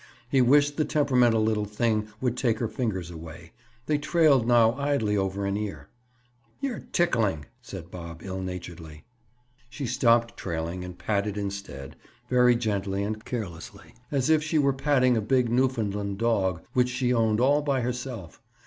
He wished the temperamental little thing would take her fingers away. They trailed now idly over an ear. "You're tickling," said Bob ill naturedly. She stopped trailing and patted instead—very gently and carelessly—as if she were patting a big Newfoundland dog which she owned all by herself.